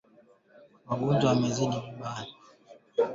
sehemu za uume wa fisi vitachangia pakubwa katika ukuaji wa uchumi wa Kenya